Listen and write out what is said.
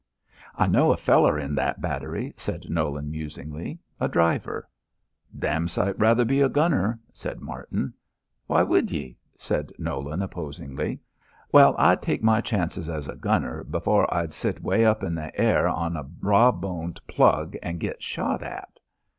"I know a feller in that battery," said Nolan, musingly. "A driver." "Dam sight rather be a gunner," said Martin. "Why would ye?" said Nolan, opposingly. "Well, I'd take my chances as a gunner b'fore I'd sit way up in th' air on a raw boned plug an' git shot at."